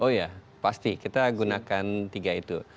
oh ya pasti kita gunakan tiga itu